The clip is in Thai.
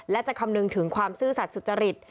และจะคำนึงถึงความซื่อสัตว์สุจริต